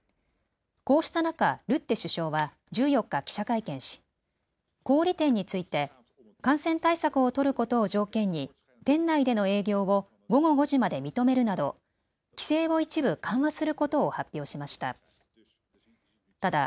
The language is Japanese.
こうした中、ルッテ首相は１４日、記者会見し小売店について感染対策を取ることを条件に店内での営業を午後５時まで認めるなど規制を一部、緩和することを発表しました。